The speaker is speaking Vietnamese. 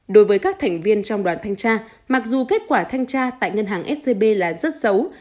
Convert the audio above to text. đối với các thành viên trong đoàn thanh tra mặc dù kết quả thanh tra tại ngân hàng scb là rất xấu